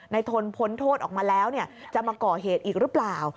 ในธนพ้นโทษออกมาแล้วเนี่ยจะมาก่อเหตุอีกรึเปล่า